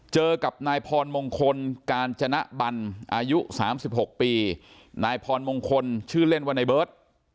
เจอกับนายพรมงคลกาญจนบันอายุ๓๖ปีนายพรมงคลชื่อเล่นว่าในเบิร์ต